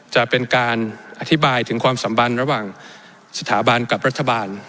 จะเป็นการอธิบายถึงความสัมพันธ์ระหว่างสถาบันกับรัฐบาล